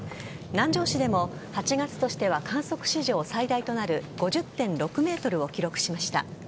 南城市でも８月としては観測史上最大となる５０．６メートルを記録しました。